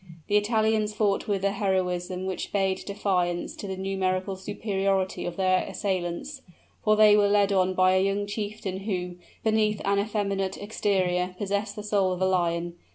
The Italians fought with a heroism which bade defiance to the numerical superiority of their assailants; for they were led on by a young chieftain who, beneath an effeminate exterior, possessed the soul of a lion.